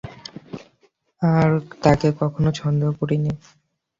আর তাকে কখনো সন্দেহ করিনি।